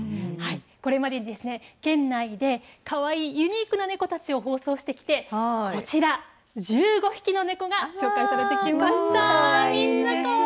これまでにですね、県内でかわいいユニークな猫たちを放送してきてこちら、１５匹の猫が紹介されてきました。